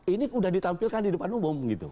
ini sudah ditampilkan di depan umum gitu